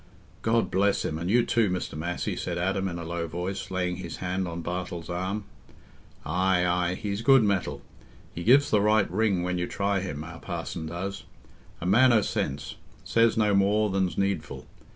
"God bless him, and you too, Mr. Massey," said Adam, in a low voice, laying his hand on Bartle's arm. "Aye, aye, he's good metal; he gives the right ring when you try him, our parson does. A man o' sense—says no more than's needful.